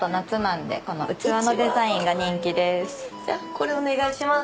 これお願いします。